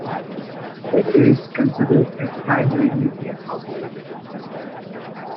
It is considered a primary media outlet.